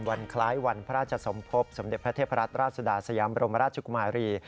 วันคล้ายวันพระราชสมภพสมเด็จพระเทพรัตนราชสุดาสยามรมราชกุมารี